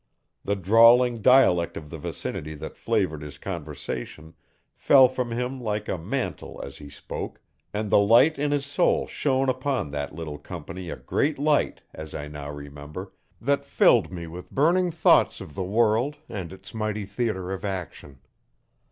The drawling dialect of the vicinity that flavoured his conversation fell from him like a mantle as he spoke and the light in his soul shone upon that little company a great light, as I now remember, that filled me with burning thoughts of the world and its mighty theatre of action.